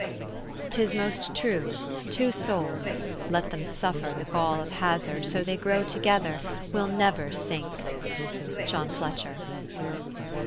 'Tis most true, two souls ... Let them suffer The gall of hazard, so they grow together, Will never sink." JOHN FLETCHEB.